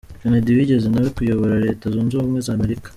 Kennedy wigeze nawe kuyobora Reta zunze ubumwe za Amerika.